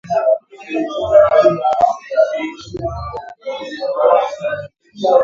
Tahadhari kubwa sana inahitajika wakati wa kutoa huduma kwa wanyama waliokufa kwa kimeta